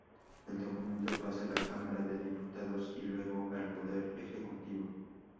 El documento pasa a la Cámara de Diputados, y luego al Poder Ejecutivo.